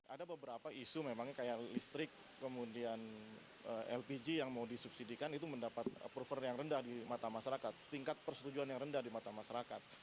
ada beberapa isu memangnya kayak listrik kemudian lpg yang mau disubsidikan itu mendapat approval yang rendah di mata masyarakat tingkat persetujuan yang rendah di mata masyarakat